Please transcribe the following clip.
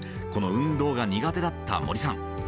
この運動が苦手だった森さん。